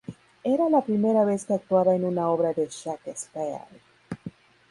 Era la primera vez que actuaba en una obra de Shakespeare.